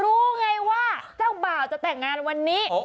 รู้ไงว่าเจ้าบ่าวจะแต่งงานวันนี้